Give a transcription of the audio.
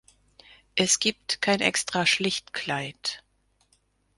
Es gibt kein extra Schlichtkleid.